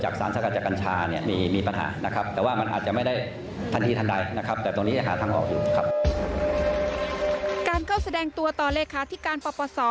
การเข้าแสดงตัวต่อเลขาธิการปปศ